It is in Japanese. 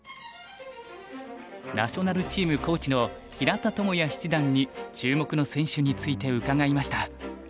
ナショナルチームコーチの平田智也七段に注目の選手について伺いました。